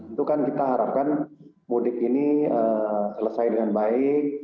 itu kan kita harapkan mudik ini selesai dengan baik